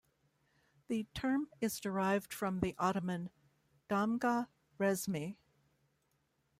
The term is derived from the Ottoman damga resmi.